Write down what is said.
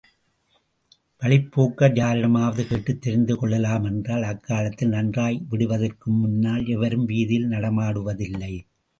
வழிப்போக்கர் யாரிடமாவது கேட்டுத் தெரிந்து கொள்ளலாமென்றால் அக்காலத்தில் நன்றாய் விடிவதற்குமுன்னால் எவரும் வீதியில் நடமாடுவதில்லை.